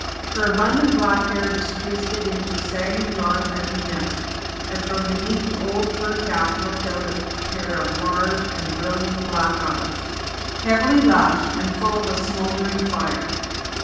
Her abundant black hair was twisted into a sagging knot at her neck, and from beneath the old fur cap looked out a pair of large and brilliant black eyes, heavily lashed, and full of a smouldering fire.